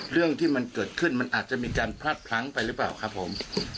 เรื่องที่มันเกิดขึ้นมันอาจจะมีการพลาดพลั้งไปหรือเปล่าครับผม